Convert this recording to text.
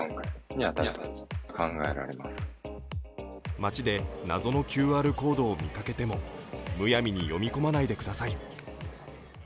街で謎のＱＲコードを見かけても、むやみに読み込まないでください。